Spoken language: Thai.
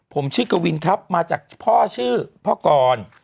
ผมชื่อกวินครับมาจากพ่อชื่อพ่อกร